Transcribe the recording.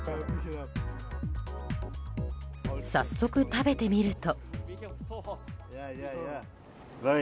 早速、食べてみると。